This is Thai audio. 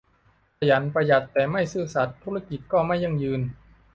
ขยัน ประหยัดแต่ไม่ซื่อสัตย์ ธุรกิจก็ไม่ยั่งยืน